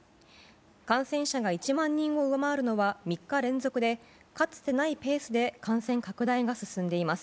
感染者が１万人を上回るのは３日連続でかつてないペースで感染拡大が進んでいます。